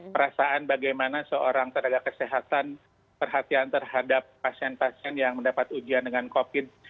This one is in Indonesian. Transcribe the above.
perasaan bagaimana seorang tenaga kesehatan perhatian terhadap pasien pasien yang mendapat ujian dengan covid